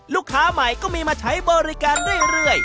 ใหม่ก็มีมาใช้บริการเรื่อย